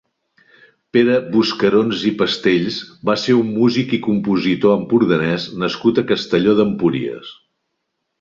Pere Buscarons i Pastells va ser un músic i compositor empordanès nascut a Castelló d'Empúries.